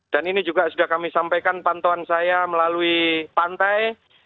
dan ini juga sudah kami sampaikan pantauan saya melalui pantai